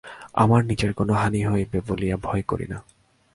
আমার নিজের কোনো হানি হইবে বলিয়া ভয় করি না।